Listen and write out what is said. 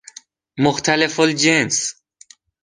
مختلف الجنس